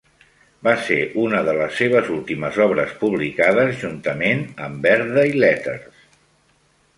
Va ser una de les seves últimes obres publicades juntament amb "Birthday Letters".